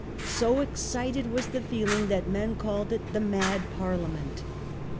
So excited was the feeling that men called it the Mad Parliament.